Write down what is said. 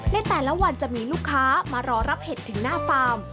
ในแต่ละวันจะมีลูกค้ามารอรับเห็ดถึงหน้าฟาร์ม